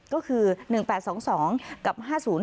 ก็คือ๑๘๒๒กับ๕๐